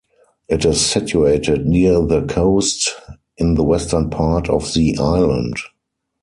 It is situated near the coast, in the western part of the island.